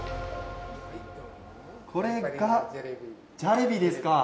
これがジャレビですか。